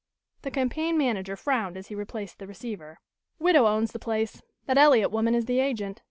The campaign manager frowned as he replaced the receiver. "Widow owns the place. That Eliot woman is the agent.